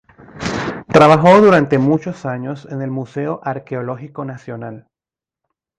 Trabajó durante muchos años en el Museo Arqueológico Nacional.